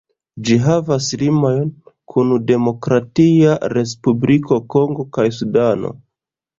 Ĝi havas limojn kun Demokratia Respubliko Kongo kaj Sudano.